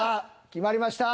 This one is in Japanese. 決まりました。